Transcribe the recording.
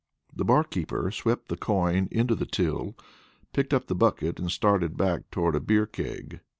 The barkeeper swept the coin into the till, picked up the bucket, and started back toward a beer keg.